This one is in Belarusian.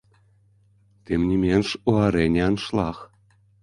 Тым не менш, у арэне аншлаг.